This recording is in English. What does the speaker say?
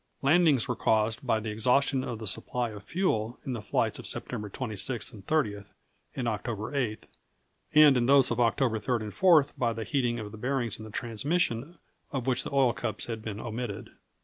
Landings were caused by the exhaustion of the supply of fuel in the flights of September 26 and 30, and October 8, and in those of October 3 and 4 by the heating of the bearings in the transmission, of which the oil cups had been omitted.